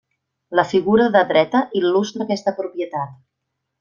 La figura de dreta il·lustra aquesta propietat.